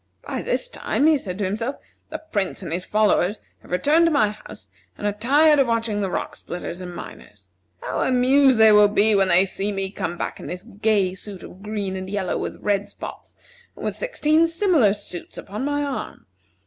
"By this time," he said to himself, "the Prince and his followers have returned to my house, and are tired of watching the rock splitters and miners. How amused they will be when they see me come back in this gay suit of green and yellow, with red spots, and with sixteen similar suits upon my arm!